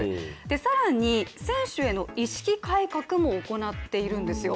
更に、選手への意識改革も行っているんですよ。